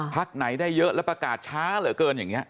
พักไหนได้เยอะแล้วประกาศช้าเหลือเกินอย่างนี้